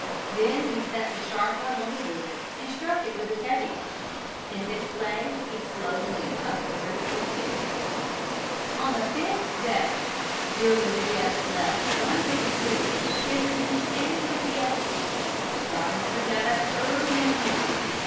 Then he set the sharp one on the wood and struck it with the heavy one. In this way he slowly cut the roots in two. On the fifth day there was yet left one big root, bigger than any of the others. Robinson got up early in the morning.